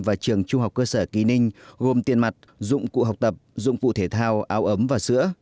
và trường trung học cơ sở kỳ ninh gồm tiền mặt dụng cụ học tập dụng cụ thể thao áo ấm và sữa